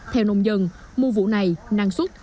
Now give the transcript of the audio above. theo nông dân mùa vụ này năng suất